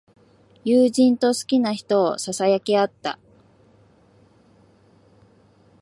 友人と好きな人をささやき合った。